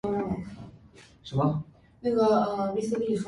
The prime minister is also directly responsible for many departments.